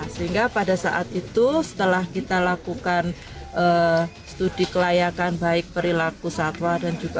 sehingga pada saat itu setelah kita lakukan studi kelayakan baik perilaku satwa dan juga